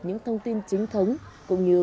những thông tin chính thống cũng như